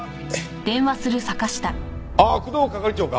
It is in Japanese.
ああ工藤係長か？